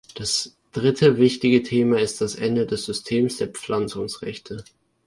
Das dritte wichtige Thema ist das Ende des Systems der Pflanzungsrechte.